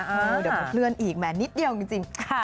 เดี๋ยวผมเลื่อนอีกแม่นิดเดียวกันจริง